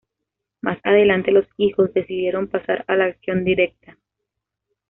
Más adelante, los Hijos decidieron pasar a la acción directa.